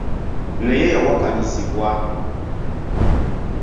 Naye yawakanyizibwa.